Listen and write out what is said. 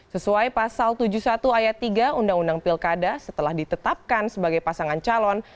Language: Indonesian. sesuai pasal tujuh puluh satu ayat tiga undang undang pilkada setelah ditetapkan sebagai pasangan calon